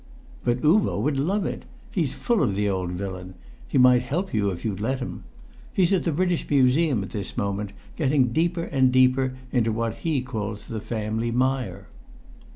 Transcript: "But Uvo would love it. He's full of the old villain. He might help you if you'd let him. He's at the British Museum at this moment, getting deeper and deeper into what he calls the family mire."